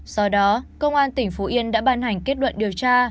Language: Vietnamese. do đó công an tỉnh phú yên đã ban hành kết luận điều tra